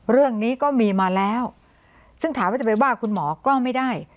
เรื่องนี้ก็มีมาแล้วซึ่งถามว่าจะไปว่าคุณหมอก็ไม่ได้